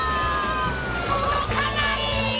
とどかない！